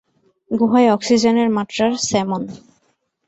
গুহায় অক্সিজেনের মাত্রা স্যামন।